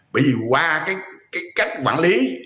vì qua cách quản lý